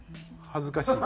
恥ずかしい。